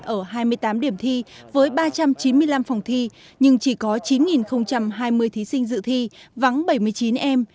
ở hai mươi tám điểm thi với ba trăm chín mươi năm phòng thi nhưng chỉ có chín hai mươi thí sinh dự thi vắng bảy mươi chín em